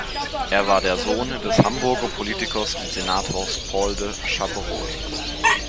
Er war der Sohn des Hamburger Politikers und Senators Paul de Chapeaurouge.